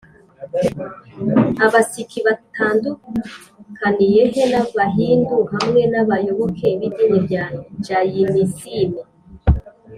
abasiki batandukaniye he n’abahindu hamwe n’abayoboke b’idini rya jayinisime?